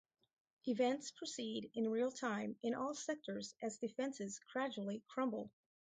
Events proceed in real time in all sectors as defenses gradually crumble.